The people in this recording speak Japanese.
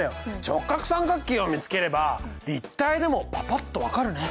直角三角形を見つければ立体でもパパっと分かるね。